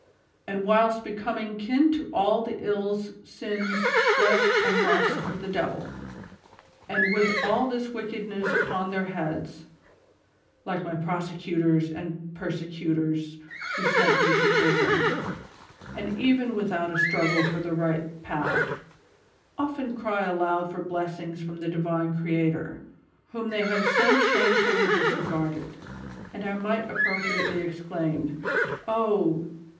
155 and wliilst becoming kin to all the ills, sins, flesh and lust of the devil ; and with all this wickedness upon their heads (like my prosecutors and persecutors who sent me to prison), and even without a struggle for the right path, often cry aloud for blessings from the divine Creator, whom tiiey have so shamefully disregarded, and I might most appropriately exclaim :'' Oh!